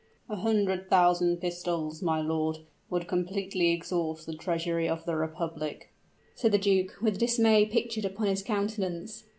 "A hundred thousand pistoles, my lord, would completely exhaust the treasury of the republic," said the duke, with dismay pictured upon his countenance.